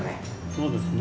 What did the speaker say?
そうですね